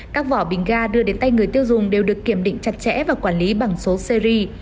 các vỏ bình ga đưa đến tay người tiêu dùng đều được kiểm định chặt chẽ và quản lý bằng số series